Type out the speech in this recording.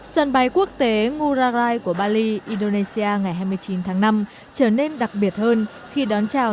sân bay quốc tế ngurai của bali indonesia ngày hai mươi chín tháng năm trở nên đặc biệt hơn khi đón chào